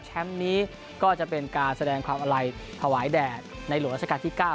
นี้ก็จะเป็นการแสดงความอาลัยถวายแด่ในหลวงราชการที่๙